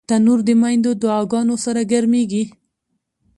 تنور د میندو دعاګانو سره ګرمېږي